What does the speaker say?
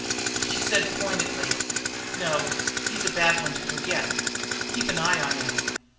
She said pointedly: "No, he's a bad one to forget; keep an eye on him.